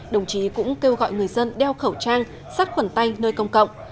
đồng chí cũng kêu gọi người dân đeo khẩu trang sắt khuẩn tay nơi công cộng